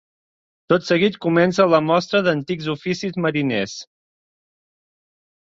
Tot seguit comença la mostra d'antics oficis mariners.